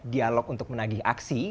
dialog untuk menagih aksi